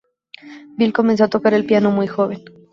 Bill comenzó a tocar el piano muy joven.